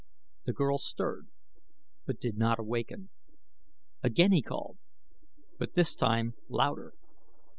The girl stirred, but did not awaken. Again he called, but this time louder.